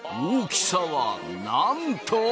大きさはなんと。